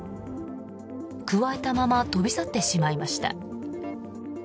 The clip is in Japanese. くわえたまま飛び去ってしまいました。